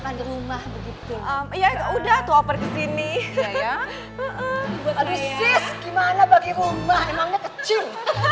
ya udah tuh apa di sini gimana bagi rumah kecil